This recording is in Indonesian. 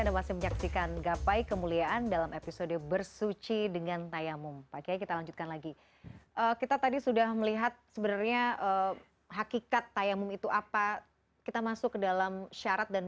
harus memenuhi beberapa syarat